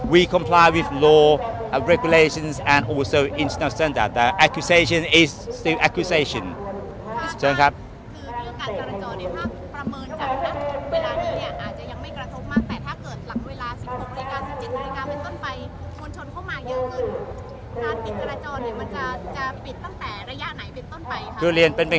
เราติดตามธุรกิจและธุรกิจในเซ็นเตอร์เซ็นเตอร์